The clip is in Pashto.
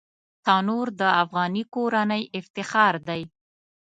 تنور د افغاني کورنۍ افتخار دی